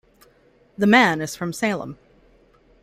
The Man is from Salem.